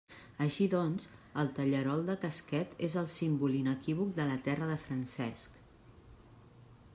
Així doncs, el tallarol de casquet és el símbol inequívoc de la terra de Francesc.